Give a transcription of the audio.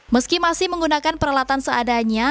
meski masih menggunakan peralatan seadanya